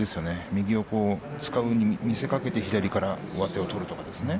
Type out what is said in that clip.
右を使うように見せかけて左から上手を取るというように。